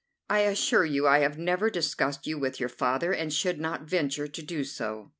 I assure you I have never discussed you with your father, and should not venture to do so."